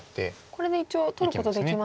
これで一応取ることできますね。